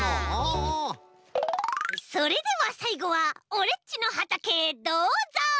それではさいごはオレっちのはたけへどうぞ！